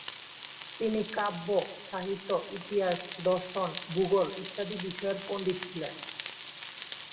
তিনি কাব্য, সাহিত্য, ইতিহাস, দর্শন, ভূগোল ইত্যাদি বিষয়ের পণ্ডিত ছিলেন।